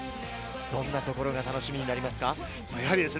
どんなところが楽しみですか？